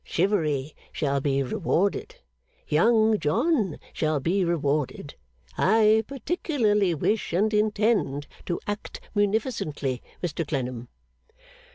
Chivery shall be rewarded. Young John shall be rewarded. I particularly wish, and intend, to act munificently, Mr Clennam.